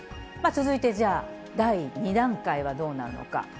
続いてじゃあ、第２段階はどうなのか。